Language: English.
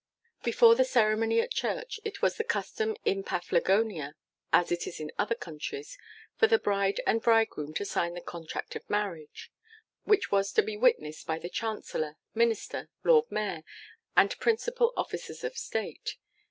Before the ceremony at church it was the custom in Paflagonia, as it is in other countries, for the bride and bridegroom to sign the Contract of Marriage, which was to be witnessed by the Chancellor, Minister, Lord Mayor, and principal officers of state.